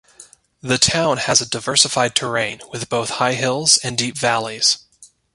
The town has a diversified terrain, with both high hills and deep valleys.